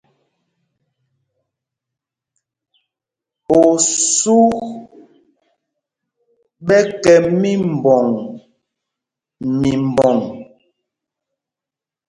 Osûk ɓɛ kɛ́ mímbɔŋ mimbɔŋ.